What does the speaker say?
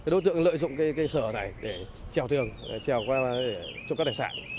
đối tượng lợi dụng cái sở này để trèo thường trèo qua trộm các tài sản